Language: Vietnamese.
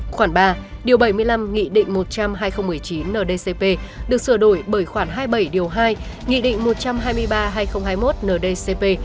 khoảng ba điều bảy mươi năm nghị định một trăm hai mươi chín ndcp được sửa đổi bởi khoảng hai mươi bảy điều hai nghị định một trăm hai mươi ba hai nghìn hai mươi một ndcp